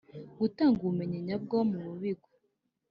gutanga ubumenyi nyabwo mu bigo